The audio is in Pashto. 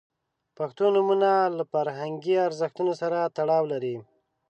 • پښتو نومونه له فرهنګي ارزښتونو سره تړاو لري.